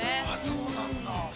◆そうなんだ。